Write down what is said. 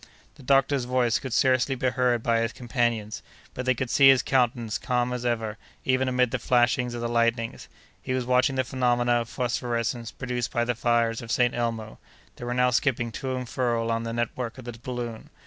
The doctor's voice could scarcely be heard by his companions; but they could see his countenance calm as ever even amid the flashing of the lightnings; he was watching the phenomena of phosphorescence produced by the fires of St. Elmo, that were now skipping to and fro along the network of the balloon.